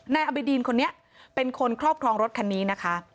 นายอบิดีนคนนี้เป็นคนครอบครองรถคันนี้นะคะ